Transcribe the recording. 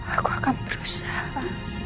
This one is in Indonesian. aku akan berusaha